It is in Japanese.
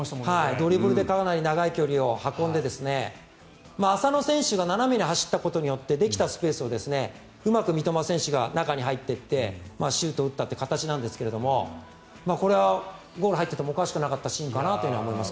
ドリブルでかなり長い距離を運んで浅野選手が斜めに走ったことによってできたスペースをうまく三笘選手が中に入っていってシュートを打ったという形ですがこれはゴールが入っててもおかしくないシーンだったと思います。